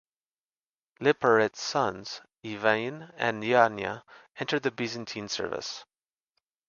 Liparit's sons, Ivane and Niania, entered the Byzantine service.